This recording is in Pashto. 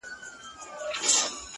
ټوله وركه يې ـ